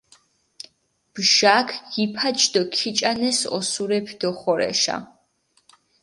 ბჟაქ გიფაჩ დო ქიჭანეს ოსურეფი დოხორეშა.